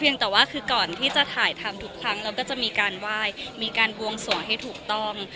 ยังแต่ว่าคือก่อนที่จะถ่ายทำทุกครั้งเราก็จะมีการไหว้มีการบวงสวงให้ถูกต้อง